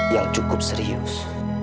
yang cukup serius